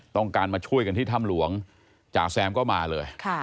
ต้องการมาช่วยกันที่ถ้ำหลวงจ่าแซมก็มาเลย